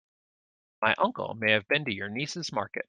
My uncle may have been to your niece's market.